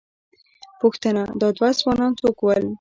پوښتنه، دا دوه ځوانان څوک ول؟